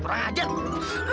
kurang ajar lu